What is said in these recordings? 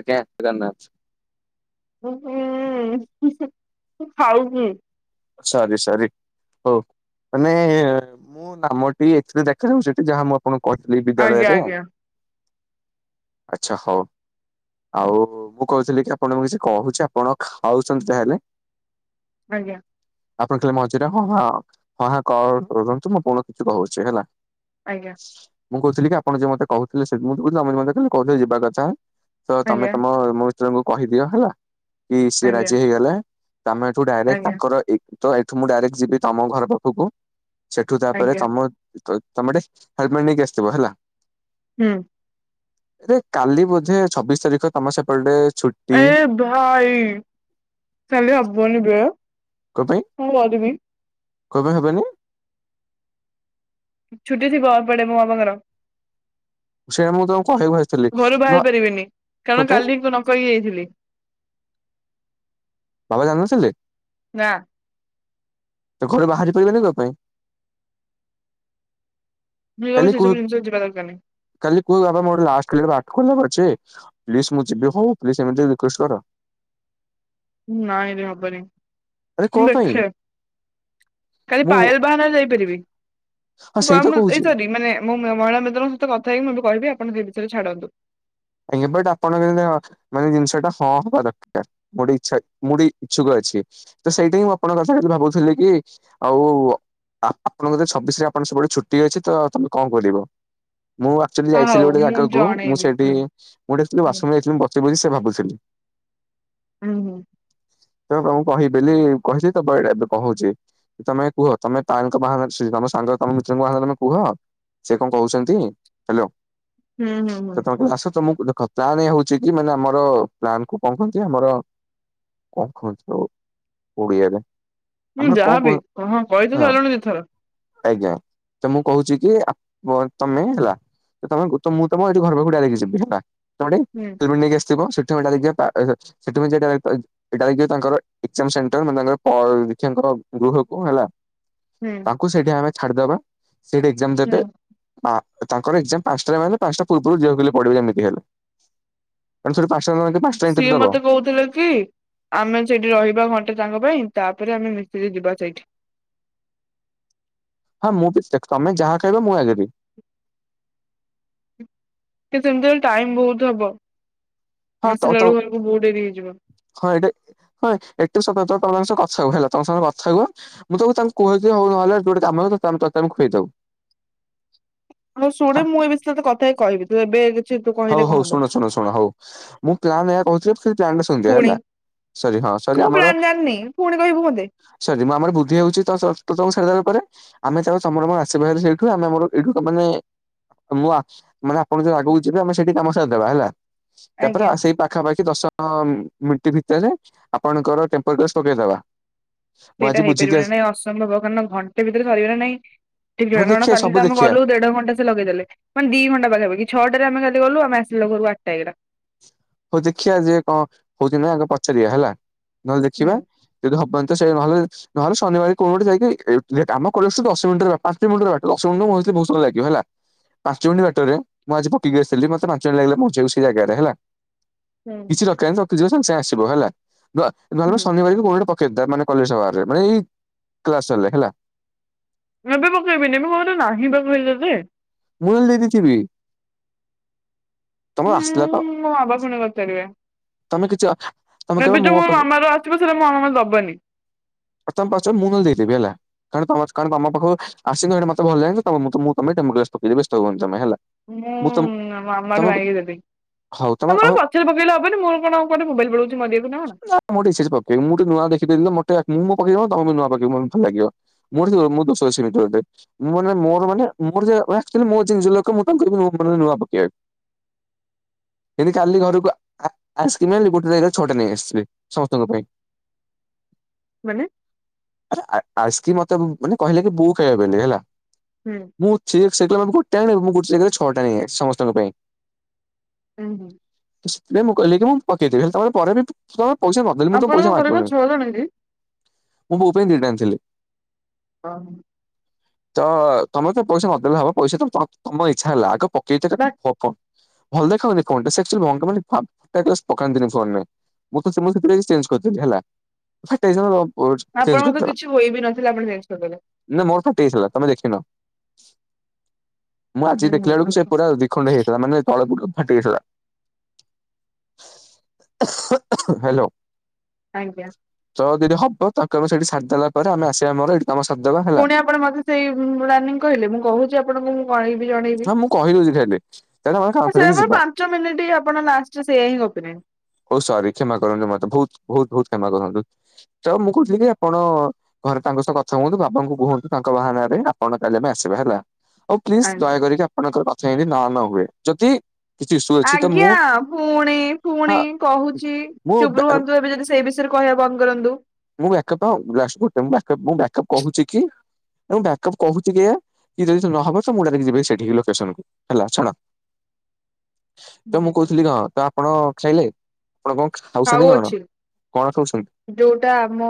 ଆଜ୍ଞା [unintelligible] ଉଁ, ହୁଁ, ମୁଁ ଖାଉଛି। ସରି ସରି ହଉ ମାନେ ମୁଁ ନାମଟି ଏଥିରେ ଦେଖାଯାଉ ସେଠି ଯାହା ମୁଁ ଆପଣଙ୍କୁ କହିଥିଲି ଆଜ୍ଞା ବିଦ୍ୟାଳୟରେ। ଆଚ୍ଛା ହଉ। ଆଉ ମୁଁ କହୁଥିଲି କି ଆପଣଙ୍କୁ କିଛି କହୁଛି, ଆପଣ ଖାଉଛନ୍ତି ତାହେଲେ। ଆଜ୍ଞା। ଆପଣ ଖାଲି ମଝିରେ ହଁ ହାଁ ହଁ ହାଁ କ- କରନ୍ତୁ ମୁଁ ଆପଣ କିଛି କହୁଛି ହେଲା। ଆଜ୍ଞା। ମୁଁ କହୁଥିଲି କି ଆପଣ ଯୋଉ ମୋତେ କହୁଥିଲେ ସେ ମୁଁ ତ କହୁଥିଲି ଆପଣ ଯେ ମୋତେ ଦିନେ ଯିବା କଥା। ତ ତୋମେ ଆଜ୍ଞା ତୋମ ମୋ ମିତ୍ରଙ୍କୁ କହିଦିଅ ହେଲା କି ସିଏ ଆଜ୍ଞା ରାଜି ହେଇଗଲା। ତୋମେ ଏଠୁ ଡାଇରେକ୍ଟ ଆଜ୍ଞା ତାଙ୍କର ଏ ତ ଏଠୁ ମୁଁ ଡାଇରେକ୍ଟ ଯିବି ତୋମ ଘର ପାଖକୁ। ସେଠୁ ତାପରେ ଆଜ୍ଞା ଆଜ୍ଞା ତୋମ ତଇ ତୋମେ ଟେ ହେଲମେଟ୍ ନେଇକି ଆସିଥିବ ହେଲା। ହୁଁ। ରେ କାଲି ବୋଧେ ଛବିଶ ତାରିଖ ତୋମ ସେପଟେ ଛୁଟି? ଏ ଭାଇ ଚାଲି ହବନି ବେ। କ ପାଇଁ କଣ କରିବି କ ପାଇଁ ହେବେନି? ଛୁଟି ଥିବ ଏପଟେ ମୋ ବାବାଙ୍କର। ସେଇଆ ମୁଁ ତମକୁ କହିବାକୁ ଆସିଥିଲି ଘରୁ ବାହାରି ପାରିବିନି କଣ କାରଣ ପାଇଁ କାଲି କଣ କହି ଯାଇଥିଲି। ବାବା ଜାଣି ନଥିଲେ? ନା। ତ ଘରୁ ବାହାରି ପାରିବେନି କ ପାଇଁ? ଯିଏ ହଉ କାଲି ସେ କୁହ ସବୁ ଜିନିଷ ଯିବା ଦରକାର ନାଇଁ। କାଲି କୁହ ବାବା ମୋର ଗୋଟେ ଲାଷ୍ଟ କ୍ଲାସ ର ଆର୍ଟ କରିଆର ଅଛି ପ୍ଲିଜ ମୁଁ ଯିବି ହଉ ପ୍ଲିଜ ଏମିତି ରିକ୍ୱେଷ୍ଟ କର। ନାଇଁରେ ହବନି ଆରେ କଣ ମୁଁ ପାଇଁ ଦେଖେ କାଲି ମୁଁ ପାୟେଲ ବାହାନାରେ ଯାଇପାରିବି ହଁ ସେଇତ ଆମେ କହୁଛି ଏ ସରି ମାନେ ମୁଁ ମ-ମହିଳା ମିତ୍ରଙ୍କ ସହିତ କଥା ହେଇ ମୁଁ ଏବେ କହିବି ଆପଣ ଯିବି ଥରେ ଛାଡନ୍ତୁ। ଏବେ ତ ଆପଣଙ୍କ ଯେମତି ମାନେ ଜିନିଷ ଟା ହଁ ହବା ଦରକାର। ମୋ ଟେ ଇଚ୍ଛା ମୁଁ ବି ଇଚ୍ଛୁକ ଅଛି। ତ ସେଇଟି ହିଁ ମୁଁ ଆପଣଙ୍କ କଥା କାଲି ଭାବୁଥିଲି କି ଆଉ ଆ-ଆପଣ ବୋଧେ ଛବିଶ ରେ ଆପଣ ସବୁବେଳେ ଛୁଟି ଅଛି ତ ତମେ କଣ କରିବ ମୁଁ ସେଟୁ ହଁ ଯାଇଥିଲୁ ହଉ ଗୋଟେ ମୁଁ ଜାଗାକୁ ମୁଁ ଜଣେଇବି ସେଇଟି ହୁଁ ମୁଁ ଏଇଟି ଆସଥିଲି ହୁଁ ୱାସରୁମ୍ ଯାଇଥିଲି ମୁଁ ବସିପଇଲି ସେ ଭାବୁଥିଲି। ହୁଁ ହୁଁ। ତେଣୁ ତମୁକୁ କହିବି ବେଲି କହିଚି ତ ବେ ଏବେ କହୁଚି। ତମେ କୁହ ତମେ ତାଙ୍କ ବାହାଘର ସରି ତମ ସାଙ୍ଗ ତମ ମିତ୍ରଙ୍କ ଆଗ ତମେ କୁହ। ସେ କଣ କହୁସନ୍ତି ହାଲୋ ହୁଁ ହୁଁ କେତବଳେ ତମେ ଆସ। ତମୁକୁ ଦେଖ ତାହାନେ ହଉଚି କି ମାନେ ଆମର ପ୍ଲାନ କୁ କଣ କହନ୍ତି ଆମର କଣ କହନ୍ତି ତକୁ ଓଡିଆରେ? ହୁଁ ଆମର କଣ କୁହ ଯାହାବି ହଁ ହଁ କହି ତ ସାଇଲଣି ଦିଥର। ଆଜ୍ଞା ତ ମୁଁ କହୁଚି କି ଆପ ତମେ ହେଲା ଏ ତମେ ଗୋ ତ ମୁଁ ତମ ଏ ଯୋଉ ଘର ପାଖୁକୁ ଡାଇରେକ୍ଟ ଯିବି ଭାରି ହେଲା ତମେ ଡି ହୁଁ। ହେଲମେଟ୍ ନେଇକି ଆସିଥିବ ସେଠୁ ଆମେ ଡାଇରେକ୍ଟ ଯିବା ପା ଏ ସେଠୁ ଆମେ ଯିବା ଡାଇରେକ୍ଟ ପା ଏ ଏଇଟା ହେଇଯିବ ତାଙ୍କର ଏକଜାମ୍ ସେଣ୍ଟର ମାନେ ତାଙ୍କର ପରୀକ୍ଷାଙ୍କର ଗୃହକୁ ହେଲା ହୁଁ। କୁ ସେଇଟି ଆମେ ଛାଡିଦବା ସେଇଟି ଏକଜାମ୍ ଦେବେ। ହୁଁ ହଁ ତାଙ୍କର ଏକଜାମ୍ ପାଞ୍ଚଟାରେ ମାନେ ପାଞ୍ଚଟା ପୂର୍ବୁରୁ ଯିବାକୁ ହେଲେ ପଡିବ ଯେମିତି ହେଲେ। ମାନେ ସେଟି ପାଞ୍ଚଟାରେ ମାନେ ତ ପାଞ୍ଚଟାରେ ସିଏ ଏଣ୍ଟ୍ରି ଦବ। ମତେ କହୁଥିଲେ କି ଆମେ ସେଇଟି ରହିବା ଘଣ୍ଟେ ତାଙ୍କ ପାଇଁ ତାପରେ ଆମେ ମିଶିକି ଯିବା ସେଇଠି। ହଁ ମୁଁ ବି ସେକ୍ଟ୍ ତମେ ଯାହା ଖାଇବ ମୁଁ ଆଗ୍ରି। କିନ୍ତୁ ଏମତି ହେଲେ ଟାଇମ୍ ବହୁତ ହବ ହଁ ତ ଆସିଲା ତ ବେଳୁକୁ ଆମୁକୁ ବହୁତ ଡେରି ହେଇଯିବ। ହଁ ଏଇଟି ହଁ ଏଟୁ ସଫା ତମେମାନେ ସବୁ କଥା ହୁଅ ହେଲା ତମ ସବୁ କଥା ହୁଅ। ମୁଁ ସବୁ ତାଙ୍କୁ କହିଥିଲି ହଉ ନ ହେଲେ ତୁ ଗୋଟେ କାମ କର ତତେ ଆମେ ତତେ ଆମେ ଖୁଏଇ ଦବୁ। ହଁ ଶୁଣେ ମୁଁ ଏ ବିଷୟରେ ତତେ କଥା ହେଇ କହିବି ତୁ ଏବେ କିଛି ତୁ କହିଲେ ହଉ କଣ ହଉ ହବ ଶୁଣ ଶୁଣ ଶୁଣ ହଉ ମୁଁ ପ୍ଲାନ୍ ଏୟା କହୁଥିଲି ଯେ ତୁ ପ୍ଲାନଟା ଶୁଣି ଦେ ପୁଣି ହେଲା। ସରି ହଁ ସ ମୁଁ ପ୍ଲାନ ଜାଣିନି ପୁଣି କହିବୁ ମତେ। ସରି ମୁଁ ଆମର ବୁଦ୍ଧି ହଉଛି ତ ସର୍ତ୍ତ ସବୁ ସାରିଦେଲା ପରେ ଆମେ ସିଆଡୁ ସମୁର ମୋର ଆସିବୁ ହେଲେ ସେଇଠୁ ଆମେ ଆମର ଏଇଠୁ ମାନେ ମୁଁ ଆ ମାନେ ଆପଣ ଯୋଉ ଆଗକୁ ଯିବେ ଆମେ ସେଇଠି କାମ ସାରିଦବା ହେଲା ତାପରେ ଆଜ୍ଞା ଆ ସେଇ ପାଖାପାଖି ଦଶ ହଁ ମିଟି ଭିତେରେ ଆପଣଙ୍କର ଟେମ୍ପରଗ୍ଲାସ୍ ପକେଇଦବା। ମୁଁ ଆଜି ସେଇଟା ବୁଝିକି ହେଇପାରିବ ନା ଆସି ନାଇଁ ଅସମ୍ଭବ କାରଣ ଘଣ୍ଟେ ଭିତେରେ ସରିବ ନା ନାଇଁ। ହଁ ଘେରଣ ଦେଖିବା କାଲି ସବୁ ତ ଆମ ଦେଖିବା ଘରୁକୁ ଦେଢ ଘଣ୍ଟା ଲଗେଇଦେଲେ ମାନେ ଦି ଘଣ୍ଟା ପାଖାପାଖି ଛ ଟାରେ ଆମେ ଗାଧେ ଗଲୁ ଆମେ ଆସିଲା ଘରୁ ଆଟ୍ ଟା ହେଇଗଲା। ହଉ ଦେଖିଆ ଯେ କଁ ହଉଛି ନାଇଁ ଆଗ ପଚାରିଆ ହେଲା ନଲେ ହୁଁ ଦେଖିବା ଯଦି ହବ ତ ସେ ଭଲସେ [inaudible] ନହେଲେ ଶନିବାର କୋଉ ଗୋଟେ ଯାଇକି [unintelligible] ଆମ କଲେଜ୍ ଠୁ ଦଶ ମିନିଟ୍ ର ପାଞ୍ଚ ମିନିଟ୍ ର ବାଟ ଦଶ ମିନିଟ୍ ତ ମୁଁ [unintelligible] ଭାବୁଛି ବହୁତ ସମୟ ଲାଗିବ ହେଲା। ପାଞ୍ଚ ମିଟି ବାଟରେ ମୁଁ ଆଜି ପକେଇକି ଆସିଥିଲି ମତେ ପାଞ୍ଚ ମିନିଟ୍ ଲାଗିଲା ପହଞ୍ଚିଆକୁ ସେ ଜାଗାରେ ହେଲା। ହୁଁ [unintelligible] ରଖେଇବାର ରଖିଥିବ ସାଙ୍ଗେ ସାଙ୍ଗେ ଆସିବ ହେଲା ହେଲା ହୁଁ ନହେଲେ ଶନିବାର ବି ଗୋଲ୍ଡ କପ୍ କିତାବ୍ ମାନେ କଲେଜ ବାର୍ ରେ ଭେଇ କ୍ଲାସ୍ ସଲେ ହେଲା। ଏବେ ପକେଇବିନି ମୁଁ ଘରେ ନାହିଁ ବା କହିଲି ତତେ। ମୁଁ ହେଲେ ଦେଇଥିବି। [inaudible] ହୁଁ ଆସିଲା ପା ମୋ ବାବା ପୁନ କରିଥିବେ। ତମେ କିଛି ହାଁ ତମେ କହିବ ମୋ ପା ମଝିରେ ମୋ ଅଣା ଦବନି। [inaudible] ତମ ପରିଚୟ ମୁଁ ନହଲେ ଦେଇ ଦେବି ହେଲା। କାରଣ ତମସ୍କାର ପାଖକୁ ଆସିକି ଏଇଠି ମତେ ଭଲ ଲାଗିଲା ତ ମୁଁ ତମ ତମେ ବ୍ୟସ କିଛି ବ୍ୟସ୍ତ ହୁଅନି ତମେ ହେଲା। [inaudible] ମୁଁ ଆମ ତମେ ଆମାଠୁ ମାଇକି ଦେବେ। [inaudible] ହଉ ତମେ ତମର ହଉ ପଛରେ ପକେଇଲେ ହବନୀ ମୋର କଣ କୁଆଡେ ମୋବାଇଲ୍ ପଳଉଛି ମରିଆକୁ ନାଁ କଣ। ହଁ ମୁଁ ଡିସିଜି ପକେଇବି ମୁଁ ଖାଲି ନୂଆ ଦେଖିଦେବି ତ ମୋତେ ମୁଁ ମୋ ପକେଇଦବ ତମେ ବି ନୂଆ ପକେଇବ [inaudible] ମୋତେ ଭଲ ଲାଗିବ। ମୋଠୁ ମୁଁ ଦଶ ବର୍ଷ ସେ ମିଟର ଅଟେ। [inaudible] ମୁଁ ମାନେ ମୋର ମାନେ ମୋର ମୋ ୱେଷ୍ଟ କଲେ ଜିନିଷ ଲୋକ ମୁଁ ତାଙ୍କୁ କହିବି ମାନେ ନୂଆ ପକେଇବାକୁ। [inaudible] କାଲି ଘରକୁ ଆ ଆଇସ୍କ୍ରିମ୍ ଆଣିଲି ଗୋଟେ ଜାଗାରେ ଛଅଟା ନେଇ ଆସିିଲି ସମସ୍ତଙ୍କ ପାଇଁ। ମାନେ? ଆରେ ଆ ଆଇସ୍କ୍ରିମ୍ ମତେ ମାନେ କହିଲେ କି ବୋଉ ଖାଇବ ବୋଲି ହେଲା। ହୁଁ। ମୁଁ ସେ ଗୋଟାଣେ [inaudible] ମୁଁ ଗୋଟେ ଜାଗାରେ ଛଅଟା ନେଇ ଆସିଛି ସମସ୍ତଙ୍କ ପାଇଁ। ହୁଁ ହୁଁ। ସେଥିପାଇଁ ମୁ କହିଲି କି ମୁଁ ପକେଇ ଦେବି [inaudible] ତୁ ପରେ ତ ଦେବୁମୁଁ ତତେ ପଇସା ମାଗୁନି ବଲଣ [unintelligible] ମୋ ବୋଉ ପାଇଁ ଦିଟା ଆଣିଥିଲି। ହଁ। ତ ତମେ ତ ପଇସା ନ ଦଲେ ହବ ପଇସା ତ ତ ତମ ଇଚ୍ଛା ହେଲା ଆଗ ପ ବା [inaudible] ମୁଁ ତଁ ସେମିତି ପ୍ଲିଜ୍ ଚେଞ୍ଜ୍ କରିଦେବି ହେଲା। ସେ [unintelligible] ଆପଣଙ୍କ ତ କିଛି ହୋଇ ବି ନଥିଲା ଆପଣ ଚେଞ୍ଜେ କରିଦେଲେ। ନା ମୋର ଫାଟି ହେଇଥିଲା ତମେ ଦେଖିନ ମୁଁ ଆଜି ହୁଁ ଦେଖିଲା ବେଳକୁ ସେ ହୁଁ ପୁରା [inaudible] ଖଣ୍ଡ ହେଇଥିଲା ମାନେ ତଳ ଗୁଡ଼ ଫାଟି ଯାଇଥିଲା। ହ୍ୟାଲୋ। ଆଜ୍ଞା। ତଳ ଦଦି ହବ ତାକୁ ଆମ ସେଠି ସାରି ଦେଲା ପରେ ଆମେ ଆସିଆ ଆମର ଏଇଠି କାମ ସାରି ଦବା ହେଲା। ପୁଣି ଆପଣ ମତେ ସେଇ ରାନୀ କହିଲେ ମୁଁ କହୁଛି ଆପଣଙ୍କୁ ମୁଁ କଣେଇବି ଜଣେଇବି। ହଁ ମୁଁ କହିଦଉଛି ଖାଲି ତାହେଲେ ଆମେ କାମ ହଁ ସେଆ ଫେରିକି ବା ଯିବା। ପାଞ୍ଚ ମିନିଟି ଆପଣ ଲାଷ୍ଟ୍ ରେ ସେଇଆ ହିଁ ଗପିଲେଣି। ଓଃ ସରି କ୍ଷମା କରନ୍ତୁ ମତେ ବହୁତ୍ ବହୁତ୍ ବହୁତ୍ କ୍ଷମା କରନ୍ତୁ ତ ମୁଁ କହୁଥିଲି କି ଆପଣ ଘରେ ତାଙ୍କ ସହ କଥା ହୁଅନ୍ତୁ ବାବାଙ୍କୁ କୁହନ୍ତୁ ତାଙ୍କ ବାହାନାରେ ଆପଣ କାଲି ଆମେ ଆସିବା ହେଲା ଆଉ କି ଆଜ୍ଞା ଦୟା କରିକି ଆପଣଙ୍କର କଥା [unintelligible] ନା ନ ହୁଏ ଯଦି କିଛି ଇସୁ ଅଛି ତ ଆଜ୍ଞା ମୁଁ ଫୁଣି ଫୁଣି ହଁ କହୁଚି ମୁଁ ଚୁପ୍ ରୁହନ୍ତୁ ଏବେ ଯଦି ସେଇ ବିଷୟରେ କହିବା ବନ୍ଦ୍ କରନ୍ତୁ ମୁଁ ଏକପା [unintelligible] କହୁଚି କି ମୁଁ ବ୍ୟାକ୍ ଅପ୍ କହୁଚି କି ଏଆ କି ଯଦି ସେ ନହବ ସ ମୁଁ ଡ଼ା [unintelligible] ଯିବେ ସେଠିକି ଲୋକେସନ୍ କୁ ହେଲା ଛାଡ଼। ତ ମୁଁ ହୁଁ। କହୁଥିଲି କଁ ତ ଆପଣ ଖାଇଲେ ଆପଣ କଁ ଆଉ ଖାଉଛନ୍ତି କଣ ଅଛି। କଣ ଖାଉଛନ୍ତି? ଯୋଉଟା ଆମ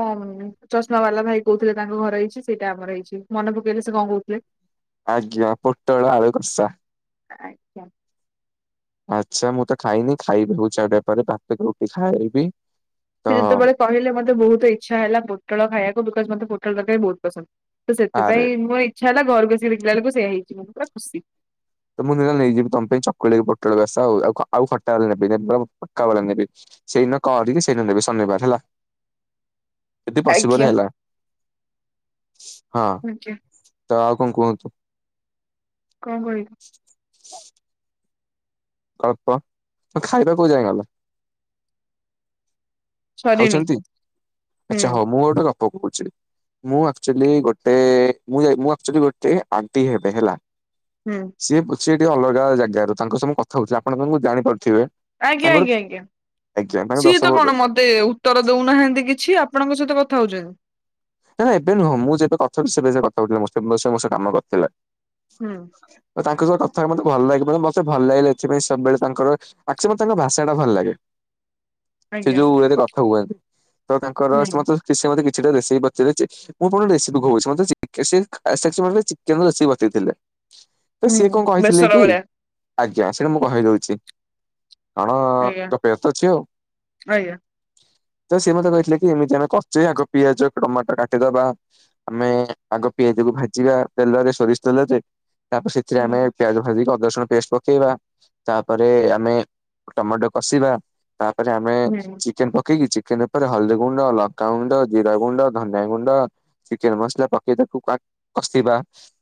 ଚଷମା ବାଲା ଭାଇ କହୁଥିଲେ ତାଙ୍କ ଘରେ ହେଇଚି ସେଇଟା ଆମର ହେଇଚି ମନେ ପକେଇଲେ ସେ କଁ କହୁଥିଲେ? ଆଜ୍ଞା ପୋଟଳ ଆଳୁ କଷା। [unintelligible] ଆଚ୍ଛା ମୁଁ ତ ଖାଇନି ଖାଇବି ହଉ [unintelligible] ପରେ ଭାତ କି ରୁଟି ଖାଇବି। ତ ସେ ଯେତେବେଳେ କହିଲେ ମତେ ବହୁତ୍ ଇଚ୍ଛା ହେଲା ପୋଟଳ ଖାଇଆକୁ ବିକଜ୍ ମତେ ପୋଟଳ ତରକାରୀ ବହୁତ୍ ପସନ୍ଦ୍। ତ ଆରେ ସେଥିପାଇଁ ମୋ ଇଚ୍ଛା ହେଲା ଘରକୁ ଆସିକି ଦେଖିଲା ଆଳକୁ ସେଇଆ ହେଇଚି ମୁଁ ବି ପୁରା ଖୁସି। ତ ମୁଁ ଦିନେ ନେଇଯିବ ତମ ପାଇଁ ଚକୁଳି ପୋଟଳ କସା ଆଉ ଖଟା ନେବି [unintelligible] ଖଟା ବାଲା ନେବି। ସେଇନ କରିକି ସେଇନ ନେବି ଶନିବାର୍ ହେଲା ଯଦି ପସିବୁଲ୍ ଆଜ୍ଞା ହେଲା। ହଁ ଆଜ୍ଞା ତ ଆଉ କଁ କୁହନ୍ତୁ? କଁ କହିବି? [inaudible] ଗଳ୍ପ ତୋ ଖାଇବା କୋଉ ଯାଏଁ ଗଲା? ସରିନି ଖାଉଛନ୍ତି ହୁଁ ଆଚ୍ଛା ହଉ ମୁଁ ଗୋଟେ ଗପ କହୁଛି। ମୁଁ ଆକ୍ଚୁଲି ଗୋଟେ ମୁଁ ଏ ମୁଁ ଆକ୍ଚୁଲି ଗୋଟେ ଆଣ୍ଟି ହେବେ ହେଲା ହୁଁ। ସିଏ ସିଏ ଟିକେ ଅଲଗା ଜାଗାରୁ ତାଙ୍କ ସ ମୁଁ କ ଥା ହଉଥିଲି ଆପଣ ତାଙ୍କୁ ଜାଣିପାରୁଥିବେ ଆଜ୍ଞା ତାଙ୍କର ଆଜ୍ଞା ଆଜ୍ଞା ତାଙ୍କ ଦଶ ବ [unintelligible] ତେ ଉତ୍ତର ଦଉନାହାନ୍ତି କିଛି ଆପଣଙ୍କ ସହିତ କଥା ହଉଛନ୍ତି। ନାଇଁ ଏବେ ନୁହଁ ମୁଁ ଯେବେ କଥା [unintelligible] ସେବେ ସେ କଥା ହଉଥିଲେ ମୋର୍ [unintelligible] କାମ କରିଥିଲେ। ହୁଁ। ତ ତାଙ୍କ ସ କଥା ମୋତେ ଭଲ ଲାଗିବ [unintelligible] ମତେ ଭଲ ଲାଗିଲା ଏଥିପାଇଁ ସବୁବେଳେ ତାଙ୍କର ଆକ୍ଚୁ ମ ତାଙ୍କ ଭାଷାଟା ଭଲ୍ ଲାଗେ। ସେ ଆଜ୍ଞା ଯୋଉ ୱେରେ କଥା ହୁଅନ୍ତି ତ ତାଙ୍କର ସେ ହୁଁ ମତେ ସେ ମତେ କିଛିଟା ରେସିପି ବ [unintelligible] ସେ ମତେ ଚିକେନ୍ ର ରେସିପି ବତେଇ ଥିଲେ। ତ ସିଏ ହୁଁ କଁ କହିଥିଲେ ବେସର କି ଭଳିଆ ଆଜ୍ଞା ସେଟା ମୁଁ କହି ଦଉଚି। ଆଣ ଆଜ୍ଞା ତ [unintelligible] ଅଛି ଆଉ। ଆଜ୍ଞା। ତ ସେ ମତେ କହିଥିଲେ କି ଏମିତି ଆମେ [unintelligible] ଆଗ ପିଆଜ ଟମାଟ କାଟିଦବା ଆମେ ଆଗ ପିଆଜକୁ ଭାଜିବା ତେଲରେ ସୋରିଷ ତେଲରେ। ତାପେ ସେଥିରେ ହୁଁ ଆମେ ପିଆଜ ଭାଜିକି ଅଦା ରସୁଣ ପେଷ୍ଟ ପକେଇବା ତାପରେ ଆମେ ଟମାଟ କଷିବା ତାପରେ ଆମେ ହୁଁ ଚିକେନ୍ ପକେଇକି ଚିକେନ୍ ଉପରେ ହଳଦୀ ଗୁଣ୍ଡ ଲଙ୍କାଗୁଣ୍ଡ ଜିରା ଗୁଣ୍ଡ ଧନିଆ ଗୁଣ୍ଡ ଚିକେନ୍ ମସ୍ଲା ପକେଇ ତାକୁ [unintelligible] କଷିବା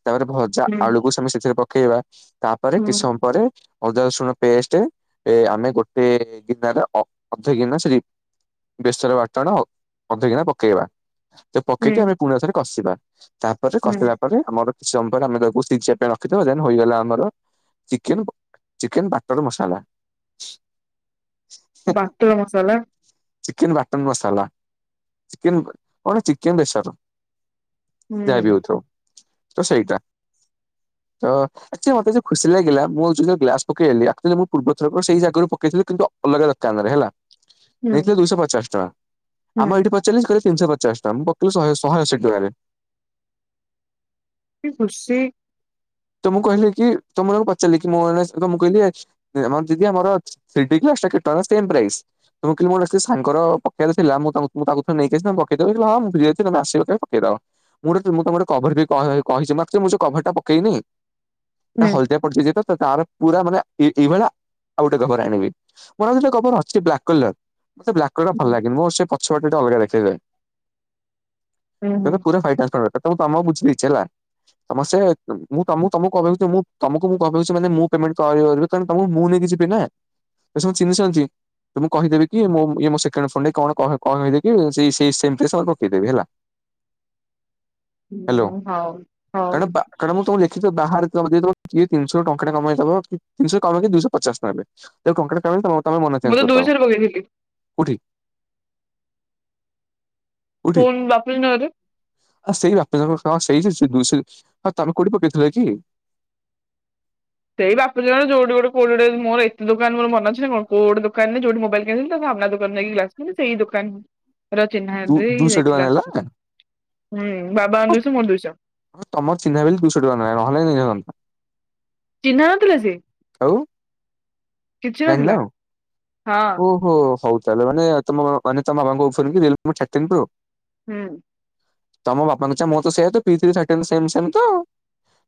ତାପରେ ଭ ଜା ହୁଁ ଆଳୁକୁ ସେମି ସେଥିରେ ପକେଇବା ତାପରେ କିଛି ହୁଁ ସମୟ ପରେ ଅଦା ରସୁଣ ପେଷ୍ଟେ ଏ ଆମେ ଗୋଟେ ଗିନାର ଅ ଅଧେ ଗନା ସେରି ବେସର ବାଟଣ ଅଧଗିନା ପକେଇବା। ସେ ହୁଁ ପକେଇକି ଆମେ ପୁଣି ଆଉଥରେ କଷିବା ତାପରେ ହୁଁ କସିଲା ପ ଆମର କିଛି ସମୟରେ ଆମେ ତାକୁ ଶିଝିବା ପାଇଁ ରଖିଦବା ଦେନ୍ ହେଇଗଲା ଆମର ଚିକେ ଚିକେନ ବାଟର ମସଲା। ବାଟଳ ମସଲା? ଚିକେନ ବାଟନ ମସଲା ଚିକେନ ଚିକେନ ବେସର। ହୁଁ ଯା ବି ହୋଉଥାଉ ତ ସେଇଟା ତ ଆଚ୍ଛା ମତେ ଯୋଉ ଖୁସି ଲାଗିଲା ମୁଁ ଯୋଉ ଗ୍ଲାସ ପକେଇଲି ଆକଚୁଆଲି ମୁଁ ପୂର୍ବ ଥର ସେଇ ଜାଗାରୁ ପକେଇଥିଲି କି ଅଲଗା ଦୋକାନରେ ହେଲା ହୁଁ ନେଇଥିଲେ ଦୁଇଶହ ପଚାଶ ଟଙ୍କା ଆମ ହୁଁ ଏଇଠି ପଚାରିଲି କହିଲେ ତିନିଶହ ପଚାଶ। ତ ମୁଁ ପକେଇଲି ଶହେ ଶହେ ଅଶୀ ଟଙ୍କାରେ। କି ଖୁସି। ତ ମୁଁ କହିଲି କି ତ ମୁଁ ତାଙ୍କୁ ପଚାରିଲି କି ମୁଁ ମାନେ ତମକୁ କହିଲି ଆମର ଦିଦି ଆମର ଥ୍ରୀଡି ଗ୍ଲାସ୍ଟା ଟା କେତେ ଟଙ୍କା ସେମ୍ ପ୍ରାଇସ୍। ତ ମୁଁ କହିଲି ମୋ ସାଙ୍ଗର ପକେଇବାର ଥିଲା ମୁଁ ତାଙ୍କୁ ତାକୁ ଥରେ ତାକୁ ଥରେ ନେଇକି ଆସିବି ପକେଇଦବ। ହଁ ମୁଁ ଫ୍ରୀ ଅଛି ତମେ ଆସିବ କେବେ ପକେଇଦବା। ମୁଁ ଗୋଟେ ମୁଁ ତ ଗୋଟେ କଭର କହିଛି ମାତ୍ର ମୁଁ ସେ କଭର ଟା ପକେଇନି। ହୁଁ ହଲଦିଆ ପଡିଚି ଯେ ତାର ପୁରା ମାନେ ଏଇଭଳିଆ ଆଉ ଗୋଟେ କଭର ଆଣିବି। ମୋର ଆଉ ଗୋଟ କଭର ଅଛି ବ୍ଲାକ୍ କଲର ମତେ ବା ବ୍ଲାକ କଲର ଟା ଭଲ ହୁଁ ଲାଗେନି ମୋର ସେ ପଛପଟ ଅଲଗା ଦେଖାଯାଏ ହୁଁ ହୁଁ ମତେ ପୁରା ହ୍ୱାଇଟନ୍ସା କଲର ଏସବୁ ତ ବୁଝିଦେଇଛି ହେଲା ତମ ସେ ମୁଁ ତମକୁ ତମକୁ କହୁଚି ମୁଁ ତମକୁ ମୁଁ କହୁଚି ମାନେ ମୁଁ ପେମେଣ୍ଟ କରିବି ତେଣୁ ତମକୁ ମୁଁ ନେଇକି ଯିବି ନା। ଏ ସବୁ ମତେ ଚିହ୍ନି ଚନ୍ତି। ତ ମୁଁ କହିଦେବି କି ଇଏ ମୋ ସେକେଣ୍ଡ ଫୋନ ରେ କଣ କଣ କହିଦେବି କିି ସେମିତିରେ ସେ ପକେଇଦେବି ହେଲା। ହ୍ୟାଲୋ ହୋଉ କାରଣ ହୋଉ। ବା କାରଣ ମୁଁ ତ ଲେଖି ବାହାରେ କିିଏ ଦେଇଦବ କିଏ ତିନିଶହରୁ ଟଙ୍କ ଟା କମେଇଦବ ତିନିଶହ ରୁ କମ ଦିଶହ ପଚାଶ ନେବେ। ଯଦି ଟଙ୍କା ଟେ କମେଇବ ତମେ ମୋ ନାଁ ମୁଁ ଚେଞ୍ଜ ତ କରି ଦବ ଦୁଇଥର ପକେଇଥିଲି କୋଉଠି? କୋଉଠି ଫୋନ୍ ବାପି ନାଁ ରେ। ଆ ସେଇ ବାପି ସେଇ ଦୁଇଶ ତମେ କୋଉଠି ପକେଇଥିଲ କି? ସେଇ ବାପି ଦୋକାନ ଯୋଉଠି ଗୋଟେ କୋଉଠି ଗୋଟେ ମୋର ଏତେ ଦୋକାନ ମୋର ମନେ ଅଛି ନା କଣ କୋଉ ଗୋଟେ ଦୋକାନରେ ମୋବାଇଲ କିଣିଲି ତା ଆଗ ସାମ୍ନା ଦୋକାନରେ ନେଇକି ଗ୍ଲାସ ଦେଲି ସେଇ ଦୋକାନ ର ଚିହ୍ନା ଦେଇ ଦୁଇଶହ ଟଙ୍କା ଯାଇକି ଗ୍ଲାସ ନେଲା ପକେଇଲି। ହୁଁ ବାବାଙ୍କର ଦୁଇ ଶ ମୋର ଦୁଇଶ। ତମ ର ଚିହ୍ନା ବୋଲି ଦୁଇଶ ଟଙ୍କା ନେଲା ନହେଲେ ନେଇନଥାନ୍ତା। ଚିହ୍ନା ନଥିଲା ସିଏ। ଆଉ। କିଛି ଜାଣିନ ନଥିଲା। ଆଉ। ହଁ ଓହୋ ହୋଉ ତାହେଲେ ମାନେ ତମ ମାନେ ତମ ବାବାଙ୍କର ଇଏ‌ଶୁଣିକି ମାନେ ତମେ ଚାଟିଙ୍ଗ୍ ପ୍ରୋ। ହୁଁ। ତମ ବାପାଙ୍କ ଚାହା ମୋର ତ ସେୟା ତ ପିଇଥିଲେ ସେମ୍ ସେମ୍ ତ।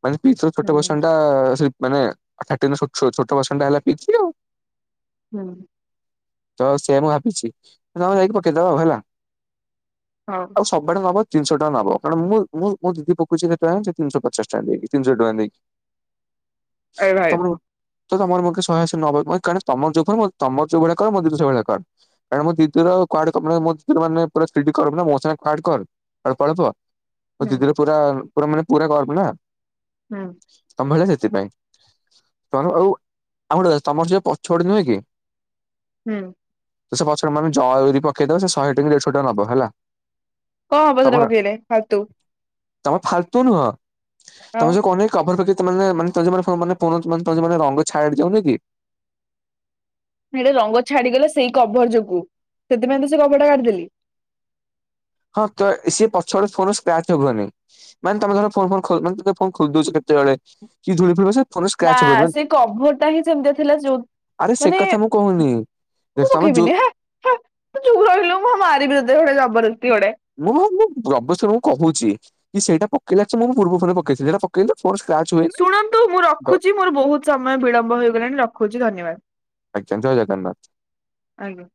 ମାନେ ପିଇ ଥ୍ରୀର ଛୋଟ ହୁଁ ଭର୍ସନଟା ମାନେ ଥାର୍ଟି ନିର ଛୋଟ ଭର୍ସନ ଟା ହେଲା ପିଇ ଥ୍ରୀ ଆଉ। ହୁଁ। ତ ସେଇଆ ମୁଁ ଭାବିଛି। ତମେ ଯାଇକି ପକେଇଦବ ଆଉ ହେଲା। ହୋଉ। ଆଉ ସବୁଆଡେ ନବ ତିନିଶହ ଟଙ୍କା ନବ କାରଣ ମୁଁ ମୁଁ ମୋ ଦିଦି ପକୋଉଛି କେତେଟଙ୍କା ଜାଣିଚ ତିନିଶହ ପଚାଶ ଟଙ୍କା ଦେଇକି ତିନିସହ ଟଙ୍କା ଦେଇକି। ଏ ଭାଇ ତମର ତ ତମର ଶହେ ଅଶି ନବ ମ କାରଣ ତମ ଜୋଉ ମୋ ତମର ଯୋଉ ଭଳିଆ କରେ ମୋ ଦିଦି ସେଇ ଭଳିଆ କର। କାରଣ ମୋ ଦିଦିର କୁଆଡେ କପଡ଼ା ମୋ ଦିଦିର ମାନେ ପୁରା ସ୍ଥିଡି ଖରାପ ହେଲା ମୋ ସାଙ୍ଗରେ ପାଟ୍ କର୍। ଅଳ୍ପ ଅଳ୍ପ ମୋ ହୁଁ ଦିଦିର ପୁରା ପୁରା ମାନେ ପୁରା କଳପନା। ହଁ [inaudible] ତମ ଭଳିଆ ସେଥିପାଇଁ। ତମର ଆଉ ଆଉ ଗୋଟେ କଥା ତମର ସେଟା ପଛପଟେ ନୁହେଁ କି ହୁଁ। ତ ସେ ପଛରେ ମାନେ ଚଉଁରୀ ପକେଇଦବ ସେ ଶହେ ଟଙ୍କା କି ଦେଢଶ ଟଙ୍କା ନବ ହେଲା। କଁ ହବ ସେଇଟା ପକେଇଲେ ଫାଲ୍ ତୁ। ତମେ ଫାଲ୍ ତୁ ନୁହଁ। ଆଉ ତମେ ଯୋଉ କହୁନ କି କଭର ପାଖେ ସେମାନେ ମାନେ ତେେ [inaudible] ରଙ୍ଗ ଛାଡ୍ ଯାଉନି କି ହେଲେ ରଙ୍ଗ ଛାଡିଗଲା ସେଇ କଭର୍ ଯୋଗୁ ସେଥିପାଇଁ ତ ସେ କଭର୍ ଟା କାଢିଦେଲି। ହଁ ତ ସିଏ ପଛ ଆଡ଼ୁ ଫୋନ୍ ର ସ୍କ୍ରାଚ୍ ହବନି। ମାନେ ତମେ ଧର ଫୋନ୍ ଫୋନ୍ ଖୋ ମାନେ ତମେ ଫୋନ୍ ଖୋଲି ଦଉଚ କେତେବେଳେ କି ଧୁଳି ଫୁଳି ପଶିବନି। ଫୋନ୍ ନା ସ୍କ୍ରାଚ୍ ହବନି ବା ସେ କଭର ଟା ହିଁ ସେମିତିଆ ଥିଲା ଯୋଉ ଆରେ ସେ ମାନେ କଥା ମୁଁ କହୁନି। ମୁଁ ରେଷମ ଯୁଉ। ପକେଇବିନି [inaudible] ହେ ହେ ତୁ ଚୁପ୍ ରହିଲୁ ମୁଁଁ ମାରିବି ତତେ ଗୋଟେ ଜବରଦସ୍ତି ଗୋଡେ। ମୁଁଁ ମୁଁ ଗ୍ରବେଶ୍ୱରୁ କହୁଚି କି ସେଇଟା ପକେଇଲା ଯେ ମୁଁଁ ମୋ ପୂର୍ବ ପରେ ପକେଇଥିଲି ଏଇଟା ପ କିନ୍ତୁ ଫୋନ୍ ସ୍କ୍ରାଚ୍ ହୁଏ ଶୁଣନ୍ତୁ ମୁଁ ରଖୁଚି ମୋର ବହୁତ ସମୟ ବିଳମ୍ବ ହେଇଗଲାଣି ରଖୁଚି ଧନ୍ୟବାଦ। କେତେ ହଜାର ଟଙ୍କା? ଆଜ୍ଞା।